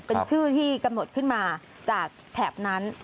เป็นชื่อที่กำหนดขึ้นมาจากแถบนั้น